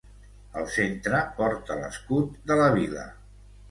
Al centre porta l'escut de la vila.